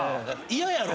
嫌やろ。